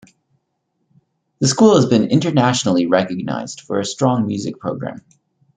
The school has been internationally recognized for a strong Music program.